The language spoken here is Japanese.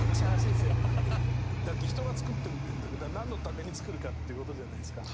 だって人が作ってるなんのために作るかっていう事じゃないですか。